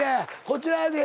こちらで。